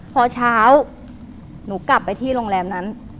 พอเช้าหนูกลับไปที่โรงแรมนั้น